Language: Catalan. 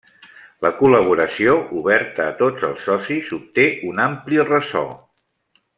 La col·laboració, oberta a tots els socis, obté un ampli ressò.